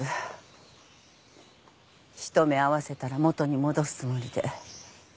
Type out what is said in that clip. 一目会わせたら元に戻すつもりで。